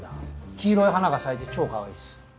黄色い花が咲いて超かわいいです。